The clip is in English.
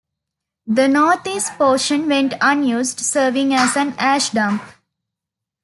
The northeast portion went unused, serving as an ash dump.